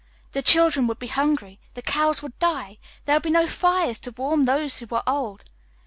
The children would be hungry; the cows would die; there would be no fires to warm those who were old.